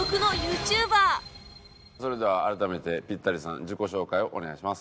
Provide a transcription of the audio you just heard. それでは改めてピッタリさん自己紹介をお願いします。